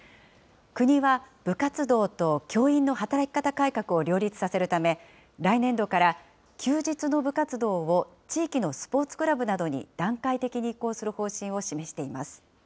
国は部活動と教員の働き方改革を両立させるため、来年度から休日の部活動を地域のスポーツクラブなどに段階的に移行する方針を示しています。